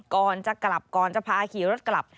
ก่อนจะกลับก่อนจะพาขี่รถกลับ